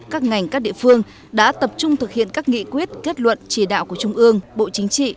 các ngành các địa phương đã tập trung thực hiện các nghị quyết kết luận chỉ đạo của trung ương bộ chính trị